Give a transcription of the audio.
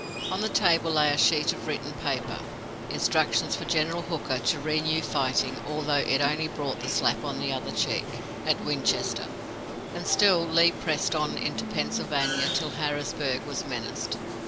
On the table lay a sheet of written paper: instructions for General Hooker to renew fighting although it only brought the slap on the other cheek at Winchester and still Lee pressed on into Pennsylvania till Harrisburg was menaced!